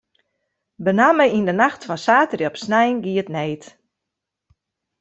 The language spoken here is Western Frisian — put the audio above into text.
Benammen yn de nacht fan saterdei op snein gie it need.